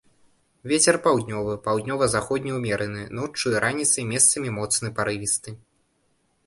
Вецер паўднёвы, паўднёва-заходні ўмераны, ноччу і раніцай месцамі моцны парывісты.